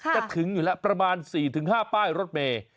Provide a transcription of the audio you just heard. จะถึงอยู่แล้วประมาณ๔๕ป้ายรถเมย์